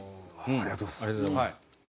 ありがとうございます。